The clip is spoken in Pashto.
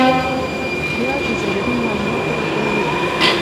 بیا د ضروري معلوماتو راټولول دي.